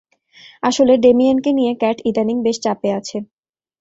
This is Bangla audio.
আসলে, ডেমিয়েনকে নিয়ে ক্যাট ইদানিং বেশ চাপে আছে।